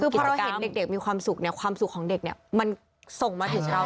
คือพอเราเห็นเด็กมีความสุขเนี่ยความสุขของเด็กเนี่ยมันส่งมาถึงเรา